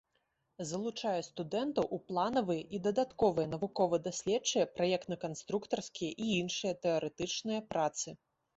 Залучае студэнтаў у планавыя і дадатковыя навукова-даследчыя, праектна-канструктарскія і іншыя тэарэтычныя працы.